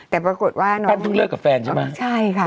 แต่ปรากฏว่าน้องปั้นเพิ่งเลิกกับแฟนใช่ไหมใช่ค่ะ